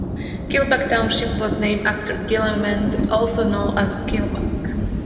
Kilbuck Township was named after Gelelemend, also known as Killbuck.